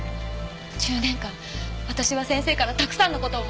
１０年間私は先生からたくさんの事を学びました。